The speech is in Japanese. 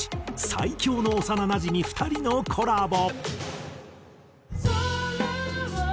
最強の幼なじみ２人のコラボ。